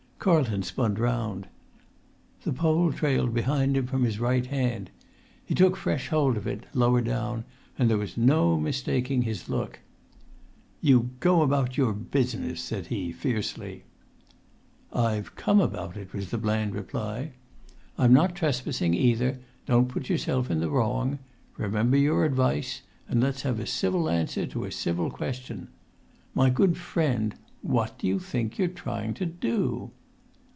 Carlton spun round. The pole trailed behind him from his right hand. He took fresh hold of it, lower down, and there was no mistaking his look. "You go about your business," said he, fiercely. "I've come about it," was the bland reply. "I'm not trespassing either; don't put yourself in the wrong. Remember your own advice; and let's have a civil answer to a civil question. My good friend, what do you think you're trying to do?"